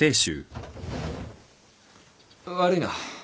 悪いな。